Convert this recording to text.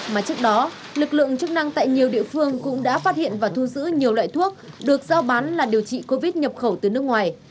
mà trước đó lực lượng chức năng tại nhiều địa phương cũng đã phát hiện và thu giữ nhiều loại thuốc được giao bán là điều trị covid nhập khẩu từ nước ngoài